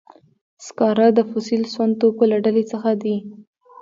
سکاره د فوسیل سون توکو له ډلې څخه دي.